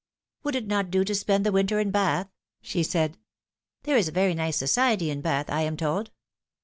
" Would it not do to spend the winter in Bath ?" she said. " There is very nice society in Bath, I am told."